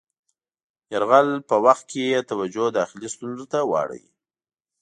یرغل په وخت کې یې توجه داخلي ستونزو ته واړوي.